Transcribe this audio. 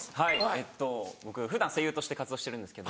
えっと僕普段声優として活動してるんですけど。